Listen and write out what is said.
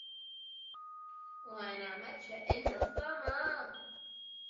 Waldschmidt in command.